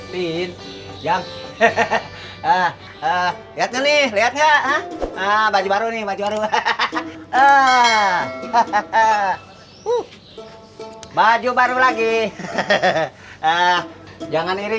pinjam ah ah ah ah lihat nih lihat nggak ah ah baju baru nih baru hahaha hahaha ah hahaha uh baju baru lagi hahaha ah jangan iri